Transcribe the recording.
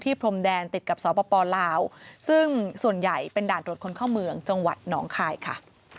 พรมแดนติดกับสปลาวซึ่งส่วนใหญ่เป็นด่านตรวจคนเข้าเมืองจังหวัดหนองคายค่ะ